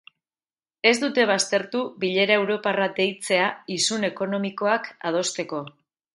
Ez dute baztertu bilera europarra deitzea isun ekonomikoak adosteko.